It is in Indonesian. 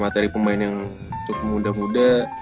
materi pemain yang cukup muda muda